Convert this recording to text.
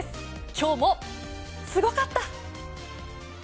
今日もすごかった！